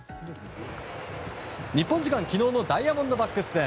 日本時間昨日のダイヤモンドバックス戦。